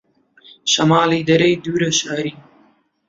شەماڵی دەرەی دوورە شاری